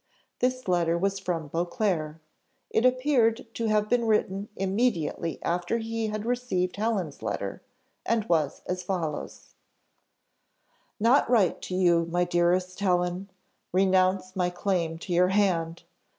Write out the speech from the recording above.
The letter was from Beauclerc; it appeared to have been written immediately after he had received Helen's letter, and was as follows: "Not write to you, my dearest Helen! Renounce my claim to your hand!